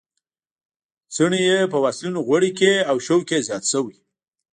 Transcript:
څڼې یې په واسلینو غوړې کړې او شوق یې زیات شوی.